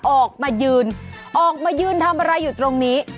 ออกมายืนออกมายืนทำอะไรอยู่ตรงนี้